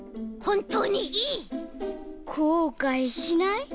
こうかいしない？